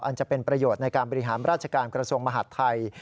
จะเป็นประโยชน์ในการบริหารราชการกระทรวงมหาดไทย